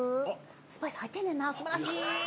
スパイス入ってんねんな素晴らしい。